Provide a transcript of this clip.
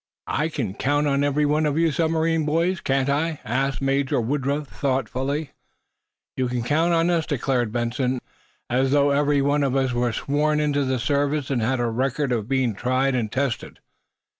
"I can count on every one of you submarine boys, can't I?" asked Major Woodruff, thoughtfully. "You can count on us," declared Benson, earnestly, "as though every one of us were sworn into the service and had a record of being tried and tested!"